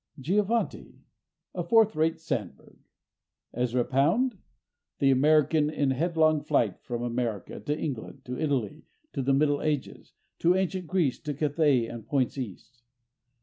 Giovannitti? A forth rate Sandburg. Ezra Pound? The American in headlong flight from America—to England, to Italy, to the Middle Ages, to ancient Greece, to Cathay and points East.